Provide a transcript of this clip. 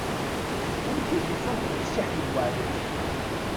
Amek i d-ufant ɣef Si Ḥmed Waɛli?